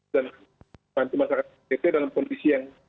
dan bantu masyarakat npp dalam kondisi yang